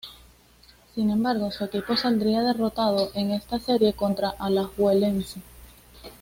Sin embargo, su equipo saldría derrotado en esta serie contra Alajuelense.